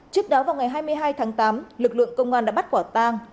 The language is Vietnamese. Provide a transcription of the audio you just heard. trước đó vào ngày hai mươi hai tháng tám lực lượng công an đã bắt quả tang